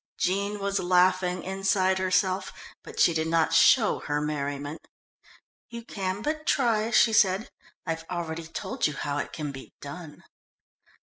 Jean was laughing inside herself, but she did not show her merriment. "You can but try," she said. "I've already told you how it can be done."